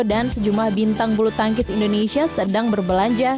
dan sejumlah bintang bulu tangkis indonesia sedang berbelanja